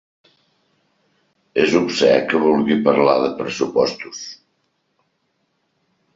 És obscè que vulgui parlar de pressupostos.